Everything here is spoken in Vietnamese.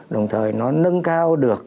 đồng thời nó nâng cao được